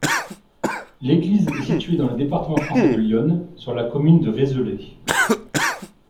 L'église est située dans le département français de l'Yonne, sur la commune de Vézelay.